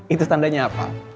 itu tandanya apa